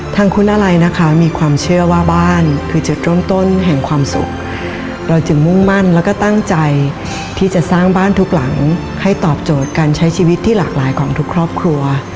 ทางคุณอะไรนะคะมีความเชื่อว่าบ้านคือจุดเริ่มต้นแห่งความสุขเราจึงมุ่งมั่นแล้วก็ตั้งใจที่จะสร้างบ้านทุกหลังให้ตอบโจทย์การใช้ชีวิตที่หลากหลายของทุกครอบครัว